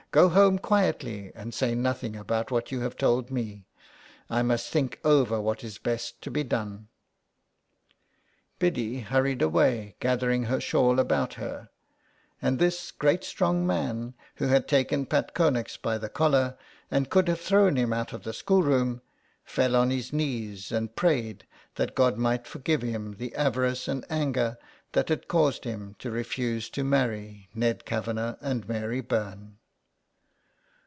" Go home quietly, and say nothing about what you have told me. I must think over what is best to be done." 55 SOME PARISHIONERS. Biddy hurried away gathering her shawl about her, and this great strong man who had taken Pat Connex by the collar and could have thrown him out of the schoolroom, fell on his knees and prayed that God might forgive him the avarice and anger that had caused him to refuse to marry Ned Kavanagh and Mary Byrne.